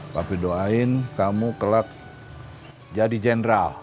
papi doain kamu kelak jadi jenderal